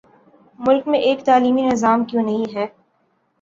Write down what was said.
ملک میں ایک تعلیمی نظام کیوں نہیں ہے؟